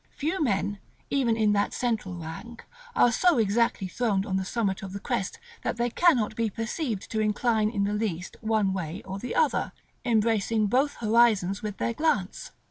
Few men, even in that central rank, are so exactly throned on the summit of the crest that they cannot be perceived to incline in the least one way or the other, embracing both horizons with their glance.